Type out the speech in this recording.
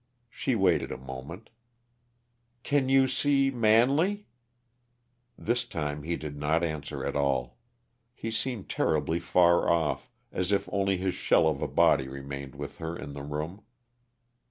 She waited a moment. "Can you see Manley?" This time he did not answer at all; he seemed terribly far off, as if only his shell of a body remained with her in the room.